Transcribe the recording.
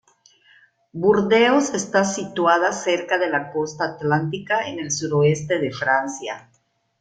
Burdeos está situada cerca de la costa atlántica, en el suroeste de Francia.